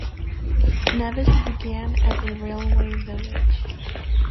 Nevis began as a railway village.